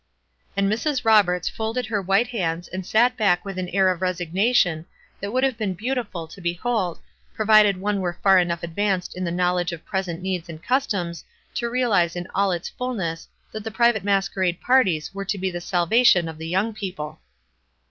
'" And Mr \ Roberts folded her white hands and sat WISE AND OTHERWISE. 229 back with an air of resignation that would have been beautiful to behold, provided one were far enough advanced in the knowledge of present needs and customs to realize in all its fullness that private masquerade parties were to be the salvation of the young people.